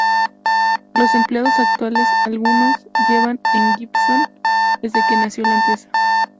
Los empleados actuales, algunos, llevan en Gibson desde que nació la empresa.